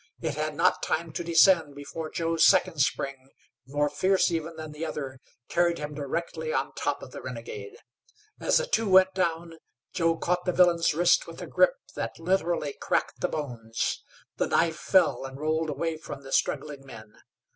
It had not time to descend before Joe's second spring, more fierce even than the other, carried him directly on top of the renegade. As the two went down Joe caught the villain's wrist with a grip that literally cracked the bones. The knife fell and rolled away from the struggling men.